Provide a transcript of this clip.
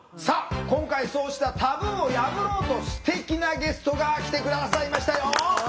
さあ今回そうしたタブーを破ろうとすてきなゲストが来て下さいましたよ。